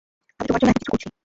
আমি তোমার জন্য এত কিছু করছি।